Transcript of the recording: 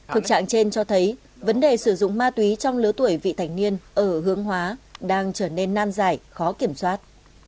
thực trạng trên cho thấy vấn đề sử dụng ma túy trong lứa tuổi vị thành niên ở hướng hóa đang trở nên nan giải khó kiểm soát